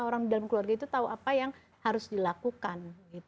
orang dalam keluarga itu tahu apa yang harus dilakukan